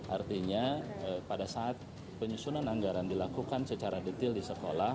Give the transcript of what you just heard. artinya pada saat penyusunan anggaran dilakukan secara detail di sekolah